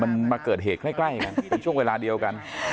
มันมาเกิดเหตุใกล้กันเป็นช่วงเวลาเดียวกัน